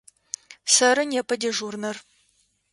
Сэры непэ дежурнэр.